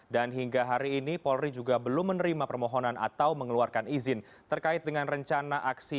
dan hingga hari ini polri juga belum menerima permohonan atau mengeluarkan izin terkait dengan rencana aksi